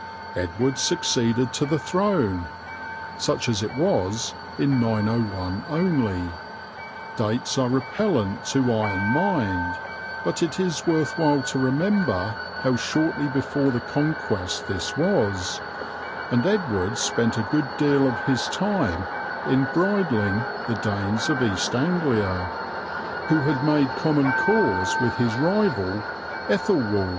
Edward succeeded to the throne, such as it was, in 901 only dates are repellent to eye and mind, but it is worth while to remember how shortly before the Conquest this was and Edward spent a good deal of his time in "bridling" the Danes of East Anglia, who had made common cause with his rival Ethelwald.